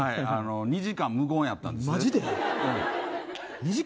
２時間、無言やったんです。